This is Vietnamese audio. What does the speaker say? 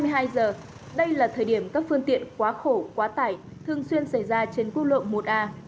hai mươi hai giờ đây là thời điểm các phương tiện quá khổ quá tải thường xuyên xảy ra trên quốc lộ một a